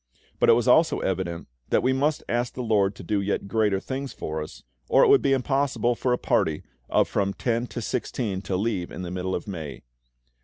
But it was also evident that we must ask the LORD to do yet greater things for us, or it would be impossible for a party of from ten to sixteen to leave in the middle of May.